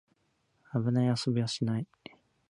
危ない遊びはしない